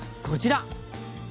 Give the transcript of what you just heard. こちら。